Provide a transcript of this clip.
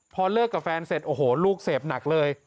พอเลิกกับแฟนเสร็จโอ้โหลูกเสพหนักเลย